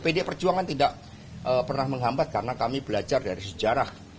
pdi perjuangan tidak pernah menghambat karena kami belajar dari sejarah